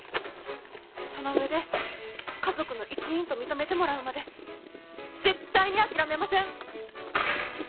その上で家族の一員と認めてもらうまで絶対に諦めません！